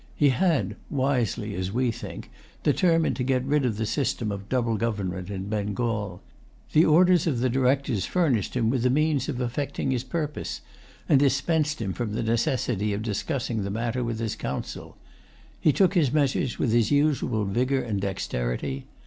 He had, wisely, as we think, determined to get rid of the system of double government in Bengal. The orders of the Directors furnished him with the means of effecting his purpose, and dispensed him from the necessity of discussing the matter with his council. He took his measures with his usual vigor and dexterity.